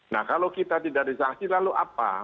nah kalau kita tidak disaksi lalu apa